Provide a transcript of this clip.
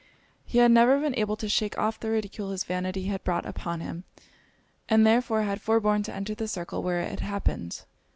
He had never been able to shake off the ridicule his vanity had brought upon him, and therefore had forborne to enter the circle where it had happened.